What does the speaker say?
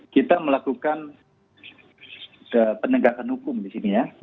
kita melakukan penegakan hukum di sini ya